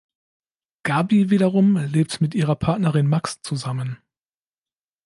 Gabi wiederum lebt mit ihrer Partnerin Max zusammen.